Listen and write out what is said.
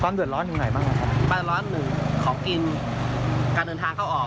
เดือดร้อนอยู่ไหนบ้างอ่ะครับบ้านร้อนหนึ่งของกินการเดินทางเข้าออก